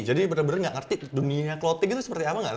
jadi benar benar nggak ngerti dunia clothing itu seperti apa